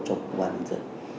trong công an nhân dân